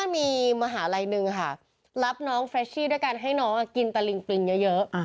มีมหาลัยหนึ่งค่ะรับน้องเฟรชชี่ด้วยการให้น้องกินตะลิงปริงเยอะ